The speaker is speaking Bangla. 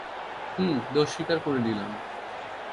হুম, দোষ স্বীকার করে নিলাম।